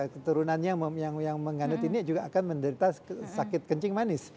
keturunannya yang menganut ini juga akan menderita sakit kencing manis